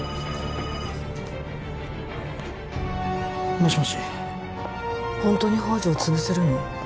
もしもしホントに宝条を潰せるの？